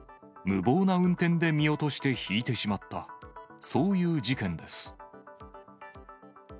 無謀な運転で見落として、ひいてしまった、そういう事件です。